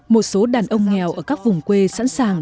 một số đàn ông nghèo ở các vùng quê sẵn sàng